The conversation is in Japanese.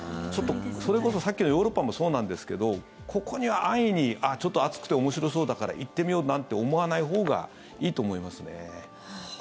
それこそさっきのヨーロッパもそうなんですけどここには安易に暑くて面白そうだから行ってみようなんて思わないほうがいいと思います。